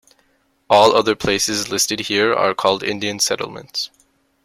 All other places listed here are called Indian Settlements.